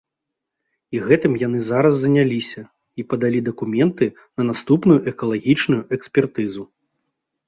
І гэтым яны зараз заняліся, і падалі дакументы на наступную экалагічную экспертызу.